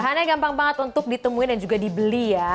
karena gampang banget untuk ditemuin dan juga dibeli ya